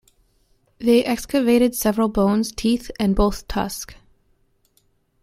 They excavated several bones, teeth and both tusk.